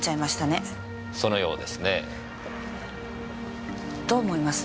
そのようですねえ。どう思います？